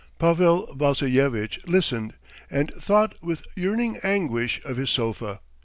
Pavel Vassilyevitch listened, and thought with yearning anguish of his sofa.